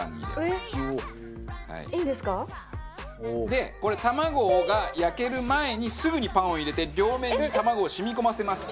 でこれが卵が焼ける前にすぐにパンを入れて両面に卵をしみ込ませます。